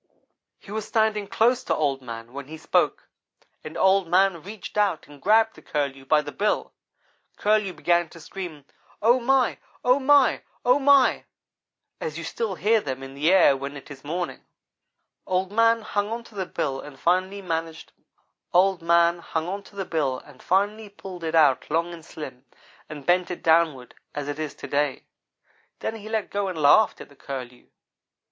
He was standing close to Old man when he spoke, and Old man reached out and grabbed the Curlew by the bill. Curlew began to scream oh, my oh, my oh, my as you still hear them in the air when it is morning. Old man hung onto the bill and finally pulled it out long and slim, and bent it downward, as it is to day. Then he let go and laughed at the Curlew.